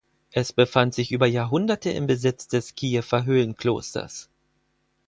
Es befand sich über Jahrhunderte im Besitz des Kiewer Höhlenklosters.